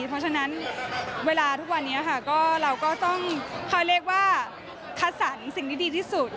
เพราะฉะนั้นเวลาทุกวันนี้เราก็ต้องคาดสรรสิ่งที่ดีที่สุด